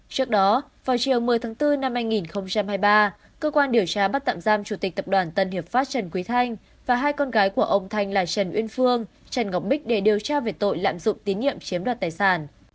trước đó vào chiều một mươi tháng bốn năm hai nghìn hai mươi ba cơ quan điều tra bắt tạm giam chủ tịch tập đoàn tân hiệp pháp trần quý thanh và hai con gái của ông thanh là trần uyên phương trần ngọc bích để điều tra về tội lạm dụng tín nhiệm chiếm đoạt tài sản